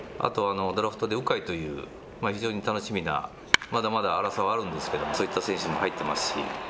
ドラフトで鵜飼という非常に楽しみな、まだまだ粗さはあるんですけど、そういった選手も入ってますし。